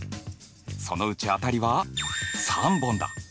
そのうち当たりは３本だ。